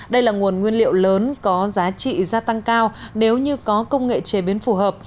đây là nguồn nguyên liệu lớn có giá trị gia tăng cao nếu như có công nghệ chế biến phù hợp